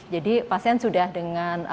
jadi pasien sudah dengan